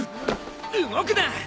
動くな！